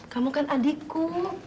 kamu kan adikku